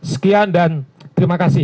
sekian dan terima kasih